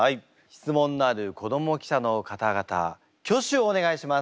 質問のある子ども記者の方々挙手をお願いします。